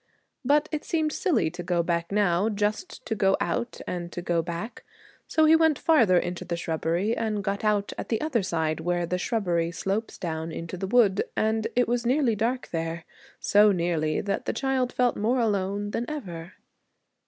But it seemed silly to go back now, just to go out and to go back. So he went farther into the shrubbery and got out at the other side where the shrubbery slopes down into the wood, and it was nearly dark there so nearly that the child felt more alone than ever.